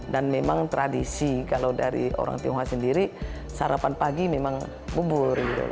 dan memang tradisi kalau dari orang tionghoa sendiri sarapan pagi memang bubur gitu